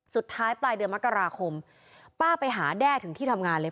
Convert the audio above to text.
สุดท้ายปลายเดือนมกราคมป้าไปหาแด้ถึงที่ทำงานเลย